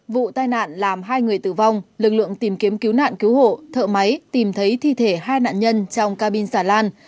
vụ tai nạn làm hai người tử vong lực lượng tìm kiếm cứu nạn cứu hộ thợ máy tìm thấy thi thể hai nạn nhân trong cabin xà lan